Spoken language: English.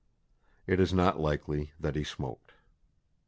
It is not likely that he smoked.